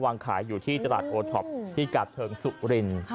วางขายอยู่ที่ตราสโทค้ทครูตศ์ชอบ